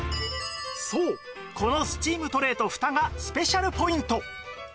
そうこのスチームトレーとフタがスペシャルポイント